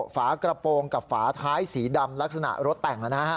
ฝากระโปรงกับฝาท้ายสีดำลักษณะรถแต่งนะฮะ